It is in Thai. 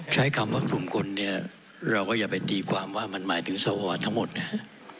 ใช้คำว่ากลุ่มคนเนี่ยเราก็อย่าไปตีความว่ามันหมายถึงสวทั้งหมดนะฮะ